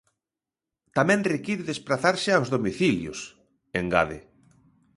"Tamén require desprazarse aos domicilios", engade.